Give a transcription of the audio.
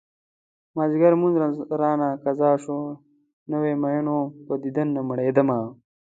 مازديګر لمونځ رانه قضا شو نوی مين وم په دیدن نه مړيدمه